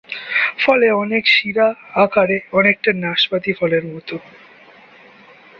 ফলে অনেক শিরা, আকারে অনেকটা নাশপাতি ফলের মতো।